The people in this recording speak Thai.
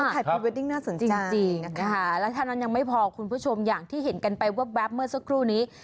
ถ่ายพรีเวดดิ้งน่าสนใจจริงนะคะแล้วเท่านั้นยังไม่พอคุณผู้ชมอย่างที่เห็นกันไปแว๊บเมื่อสักครู่นี้